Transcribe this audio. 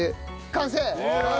完成！